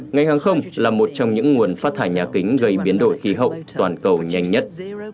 ngành hàng không là một trong những nguồn phát thải nhà kính gây biến đổi khí hậu toàn cầu nhanh nhất